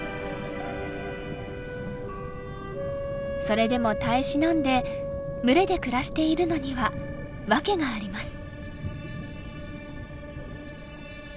それでも耐え忍んで群れで暮らしているのには訳があります。